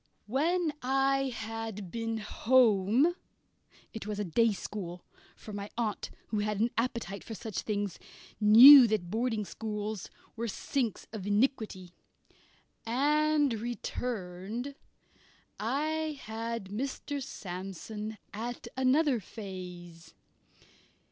When I had been home it was a day school, for my aunt, who had an appetite for such things, knew that boarding schools were sinks of iniquity and returned, I had Mr. Sandsome at another phase.